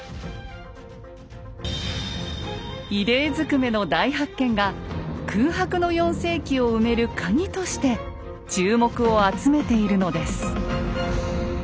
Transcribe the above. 異例ずくめの大発見が空白の４世紀を埋めるカギとして注目を集めているのです。